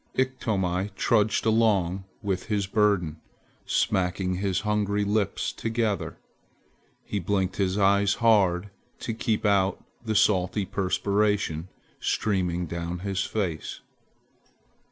Iktomi trudged along with his burden, smacking his hungry lips together. He blinked his eyes hard to keep out the salty perspiration streaming down his face.